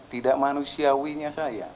tidak manusiawinya saya